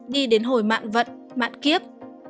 đi đến hồi mạng vận mạng kiếp